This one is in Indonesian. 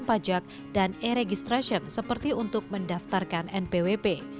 pembayaran pajak dan e registration seperti untuk mendaftarkan npwp